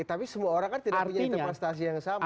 tapi semua orang kan tidak punya interpretasi yang sama